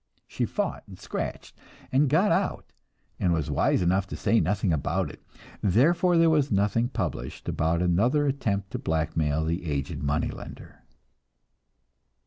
She fought and scratched, and got out, and was wise enough to say nothing about it; therefore there was nothing published about another attempt to blackmail the aged money lender!